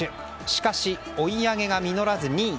しかし、追い上げが実らず２位。